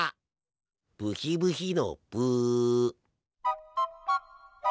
ブヒブヒのブ。